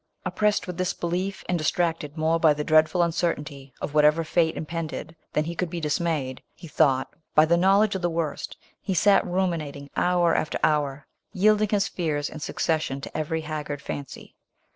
Oppressed with this belief, and distracted more by the dreadful un certainty of whatever fate impend ed, than he could be dismayed, he thought, by the knowledge of the worst, he sat ruminating, hour after hour, yielding his fears in succession to every haggard fancy.